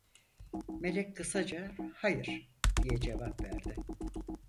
Melek kısaca: "Hayır!" diye cevap verdi.